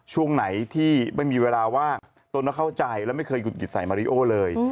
ช่วงไหนที่ไม่มีเวลาว่างตนก็เข้าใจและไม่เคยหุดหงิดใส่มาริโอเลย